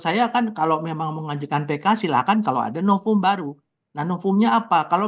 saya akan kalau memang mengajukan pk silakan kalau ada nofoom baru dan umumnya apa kalau